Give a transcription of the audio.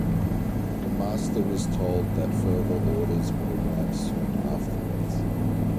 The master was told that further orders would arrive soon afterwards.